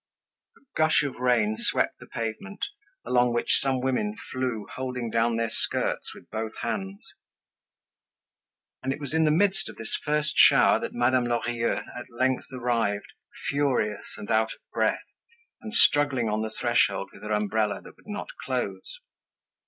A gush of rain swept the pavement, along which some women flew, holding down their skirts with both hands. And it was in the midst of this first shower that Madame Lorilleux at length arrived, furious and out of breath, and struggling on the threshold with her umbrella that would not close.